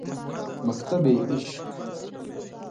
مکتبِ عشق